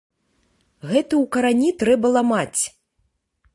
Гэта ў карані трэба ламаць.